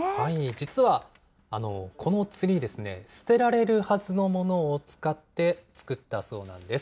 実はこのツリーですね、捨てられるはずのものを使って作ったそうなんです。